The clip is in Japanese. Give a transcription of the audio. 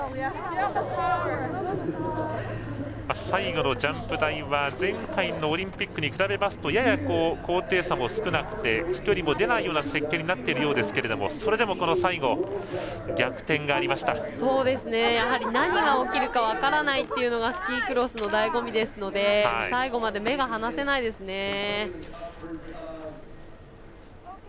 最後のジャンプ台は前回のオリンピックに比べますと高低差も少なくて飛距離も出ないような設計になっているようですけれどもそれでも最後何が起きるか分からないというのがスキークロスのだいご味ですので最後まで目が離せないですね。